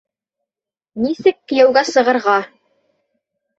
НИСЕК КЕЙӘҮГӘ СЫҒЫРҒА